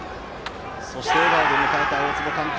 そして笑顔で選手を迎えた大坪監督。